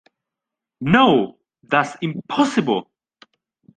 No! That’s impossible!